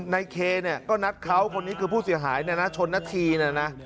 ในเคก็นัดเขาคนนี้คือผู้เสียหายชนนทีนะ